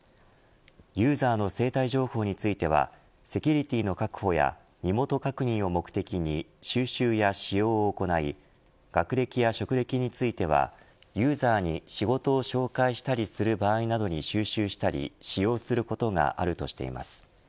ユーザーの生体情報についてはセキュリティーの確保や身元確認を目的に収集や使用を行い学歴や職歴についてはユーザーに仕事を紹介したりする場合などに収集したり使用することがあるとしています。